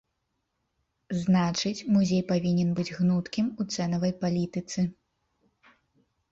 Значыць, музей павінен быць гнуткім у цэнавай палітыцы.